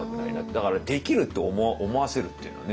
だから「できる」って思わせるっていうのはね。